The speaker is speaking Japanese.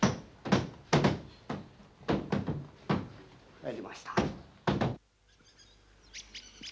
入りました。